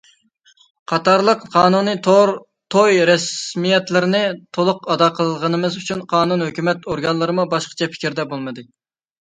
قاتارلىق قانۇنىي توي رەسمىيەتلىرىنى تولۇق ئادا قىلغىنىمىز ئۈچۈن قانۇن، ھۆكۈمەت ئورگانلىرىمۇ باشقىچە پىكىردە بولمىدى.